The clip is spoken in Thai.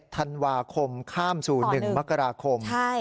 ๓๑ธันวาคมข้ามศูนย์๑มกราคม